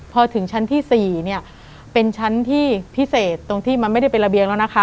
พอถึงชั้นที่๔เนี่ยเป็นชั้นที่พิเศษตรงที่มันไม่ได้เป็นระเบียงแล้วนะคะ